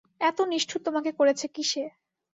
এত নিষ্ঠুর তোমাকে করেছে কিসে।